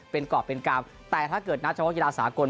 เป็นกรอบเป็นกราบแต่ถ้าเกิดนักชาวโครงกีฬาสากล